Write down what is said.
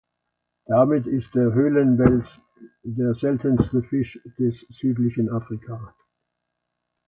Damit ist der Höhlenwels der seltenste Fisch des südlichen Afrika.